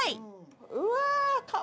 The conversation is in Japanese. うわ。